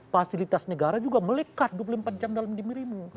fasilitas negara juga melekat dua puluh empat jam dalam dirimu